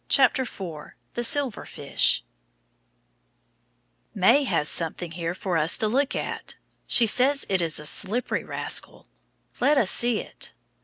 THE SILVER FISH May has something here for us to look at. She says it is a slippery rascal. Let us see it.